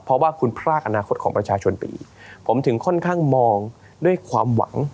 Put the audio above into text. เพราะว่าคุณพรากอนาคตของประชาชนไปอีกผมถึงค่อนข้างมองด้วยความหวัง